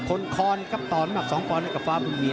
คนคลกับตอนมัดสองบอลนี่กับฟ้าบุงมีร์